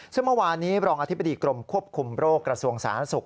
ซึ่งเมื่อวานนี้รองอธิบดีกรมควบคุมโรคกระทรวงสาธารณสุข